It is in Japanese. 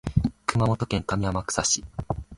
熊本県上天草市